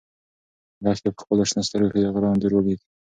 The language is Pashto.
لښتې په خپلو شنه سترګو کې د غره انځور ولید.